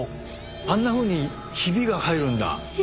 あんなふうにヒビが入るんだ！